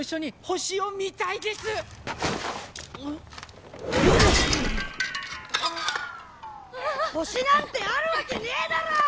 星なんてあるわけねえだろ！